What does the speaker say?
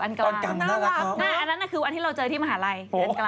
น่ารักอันนั้นคือวันที่เราเจอที่มหาลัย